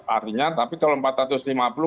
artinya tapi kalau empat ratus lima puluh